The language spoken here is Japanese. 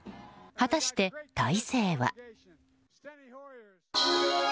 果たして大勢は。